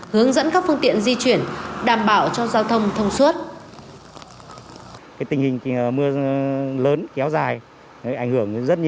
hướng dẫn các phương tiện di chuyển đảm bảo cho giao thông thông suốt